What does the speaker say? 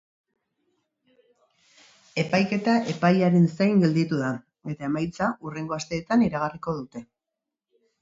Epaiketa epaiaren zain gelditu da eta emaitza hurrengo asteetan iragarriko dute.